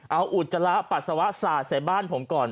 เอาอุจจาระปัสสาวะสาดใส่บ้านผมก่อน